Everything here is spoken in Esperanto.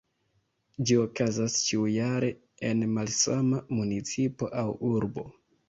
Ĝi okazas ĉiujare en malsama municipo aŭ urbo.